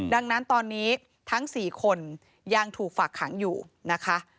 ดังนั้นตอนนี้ทั้ง๔คนยังถูกฝากขังอยู่นะคะ